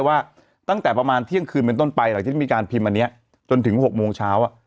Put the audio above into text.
ค่ะตั้งแต่ประมาณเที่ยงคืนจะต้นไปก็จะมีการพิมพ์มาเนี่ยตอนถึง๖โมงเช้า